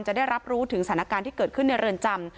จะได้รับรู้ถึงสถานการณ์ที่เกิดขึ้นในเรือนจำ